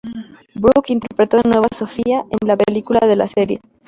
Brooke interpretó de nuevo a Sophia en la película de la serie.